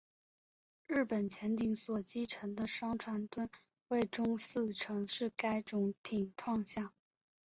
日本潜艇所击沉的商船吨位中四成是该种艇创下。